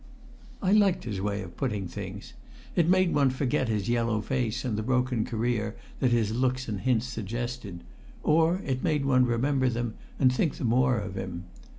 I liked his way of putting things. It made one forget his yellow face, and the broken career that his looks and hints suggested, or it made one remember them and think the more of him.